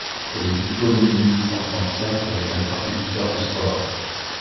Elle est diplômée d'une licence en Sciences avec un certificat en sport.